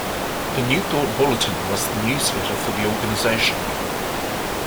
The "New Thought Bulletin" was the newsletter for the organization.